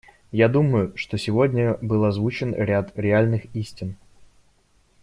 Я думаю, что сегодня был озвучен ряд реальных истин.